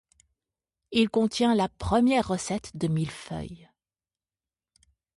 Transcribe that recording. Il contient la première recette de mille-feuilles.